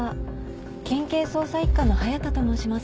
県警捜査一課の隼田と申します。